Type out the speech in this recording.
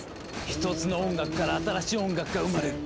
一つの音楽から新しい音楽が生まれる。